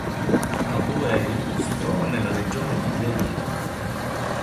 Abu Hail si trova nella regione di Deira.